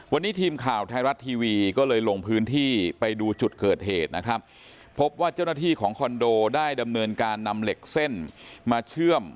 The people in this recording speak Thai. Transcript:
วันนี้ทีมข่าวไทยรัฐทีวีก็เลยลงพื้นที่ไปดูจุดเกิดเหตุนะครับพบว่าเจ้าหน้าที่ของคอนโดได้ดำเนินการนำเหล็กเส้นมาเชื่อม